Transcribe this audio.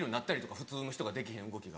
普通の人がでけへん動きが。